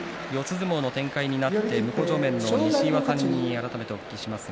相撲の展開になって向正面の西岩さんに改めてお聞きします。